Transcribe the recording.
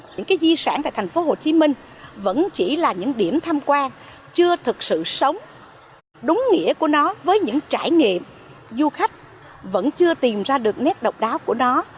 những cái di sản tại thành phố hồ chí minh vẫn chỉ là những điểm tham quan chưa thực sự sống đúng nghĩa của nó với những trải nghiệm du khách vẫn chưa tìm ra được nét độc đáo của nó